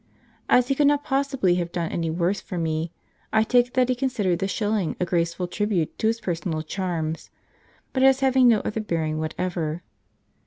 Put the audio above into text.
As he could not possibly have done any worse for me, I take it that he considered the shilling a graceful tribute to his personal charms, but as having no other bearing whatever.